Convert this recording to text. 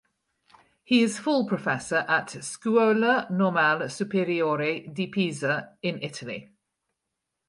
He is Full Professor at Scuola Normale Superiore di Pisa in Italy.